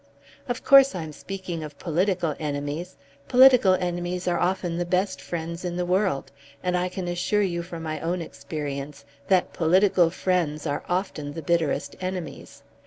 "Of course I'm speaking of political enemies. Political enemies are often the best friends in the world; and I can assure you from my own experience that political friends are often the bitterest enemies.